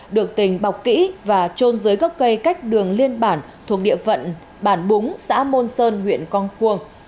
được tình bọc kỹ và trôn dưới gốc cây cách đường liên bản thuộc địa phận bản búng xã môn sơn huyện con cuông